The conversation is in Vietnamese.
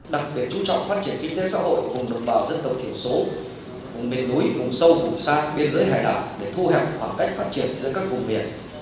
đặc biệt chú trọng phát triển kinh tế xã hội cùng đồng bào dân cầu thiểu số cùng miền núi cùng sâu vùng xa biên giới hải đảo để thu hẹp khoảng cách phát triển giữa các vùng biển